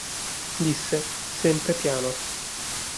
Disse, sempre piano.